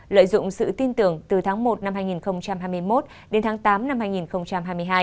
lợi dụng sự tin tưởng từ tháng một năm hai nghìn hai mươi một đến tháng tám năm hai nghìn hai mươi hai